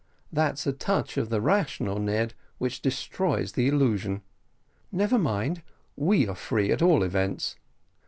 "That's a touch of the rational, Ned, which destroys the illusion. Never mind, we are free, at all events.